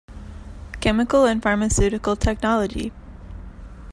Chemical and Pharmaceutical Technology.